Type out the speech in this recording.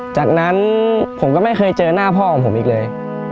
จากนั้นผมก็ไม่เคยเจอหน้าพ่อของผมอีกเลย